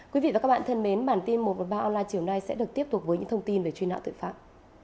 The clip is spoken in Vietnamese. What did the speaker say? quý vị và các bạn thân mến bản tin một trăm một mươi ba online chiều nay sẽ được tiếp tục với những thông tin về truy nã tội phạm